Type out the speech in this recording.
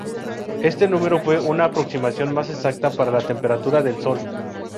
Éste número fue una aproximación más exacta para la temperatura del Sol.